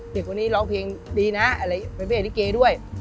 เด็กวันนี้ร้องเพลงดีนะไปเปลี่ยนลิเกย์ด้วย